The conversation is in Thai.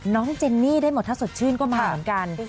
น้องเจนี่ได้หมดถ้าสดชื่นก็มากัน